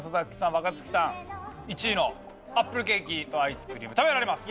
若槻さん１位のアップルケーキとアイスクリーム食べられます。